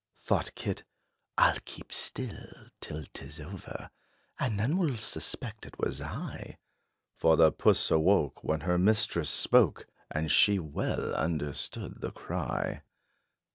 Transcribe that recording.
Thought kit, "I 'll keep still till 't is over, And none will suspect it was I." For the puss awoke, when her mistress spoke, And she well understood the cry.